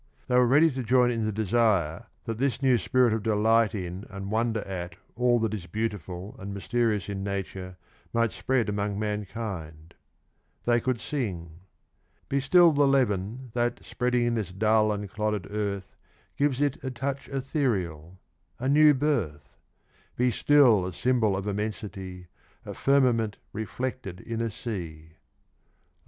They were ready to join ni the desire that this new spirit of delight in and wonder at all that is beautiful and mysterious in Nature might spread among mankind : they could sing : be still the leaven That spreading in this dull and clodded earth Gives it a touch ethereal — a new birth : Be still a symbol of immensity ; A firmament reflected in a sea, (I.